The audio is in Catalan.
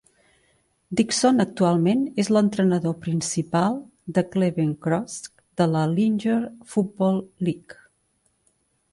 Dixon actualment és l'entrenador principal de Cleveland Crush de la Lingerie Football League.